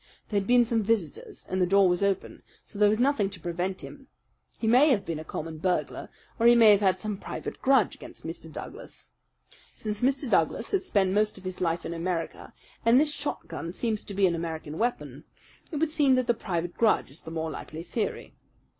There had been some visitors, and the door was open; so there was nothing to prevent him. He may have been a common burglar, or he may have had some private grudge against Mr. Douglas. Since Mr. Douglas has spent most of his life in America, and this shotgun seems to be an American weapon, it would seem that the private grudge is the more likely theory.